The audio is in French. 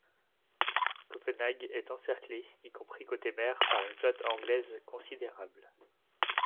Copenhague est encerclée, y compris côté mer par une flotte anglaise considérable.